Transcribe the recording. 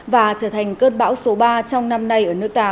và trở thành cơn bão số ba trong năm nay